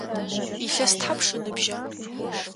Илъэс тхьапш ыныбжьа?